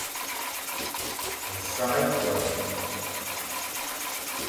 Nsak ekuan.